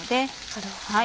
なるほど。